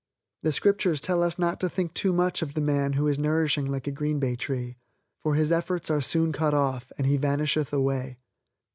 The Scriptures tell us not to think too much of the man who is nourishing like a green bay tree, for his efforts are soon cut off and he vanisheth away.